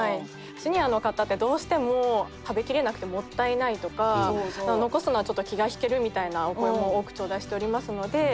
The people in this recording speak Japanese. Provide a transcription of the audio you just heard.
シニアの方ってどうしても食べきれなくてもったいないとか残すのはちょっと気が引けるみたいなお声も多くちょうだいしておりますので。